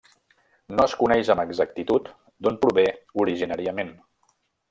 No es coneix amb exactitud d'on prové originàriament.